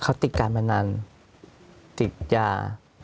เขาติดการบัญญาณติดยา